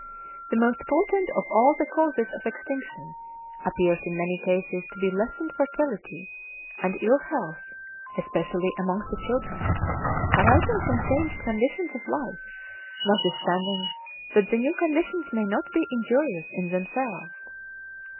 The most potent of all the causes of extinction, appears in many cases to be lessened fertility and ill health, especially amongst the children, arising from changed conditions of life, notwithstanding that the new conditions may not be injurious in themselves.